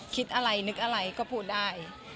คิดอะไรนึกอะไรก็พูดได้